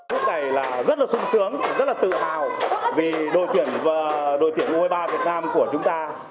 hôm nay là rất là sung tướng rất là tự hào vì đội tuyển u hai mươi ba việt nam của chúng ta